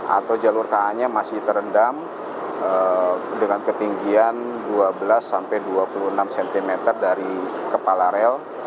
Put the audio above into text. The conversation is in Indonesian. atau jalur ka nya masih terendam dengan ketinggian dua belas sampai dua puluh enam cm dari kepala rel